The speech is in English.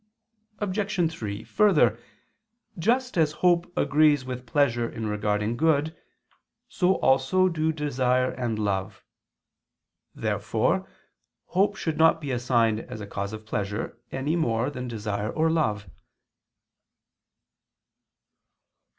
Obj. 3: Further, just as hope agrees with pleasure in regarding good, so also do desire and love. Therefore hope should not be assigned as a cause of pleasure, any more than desire or love.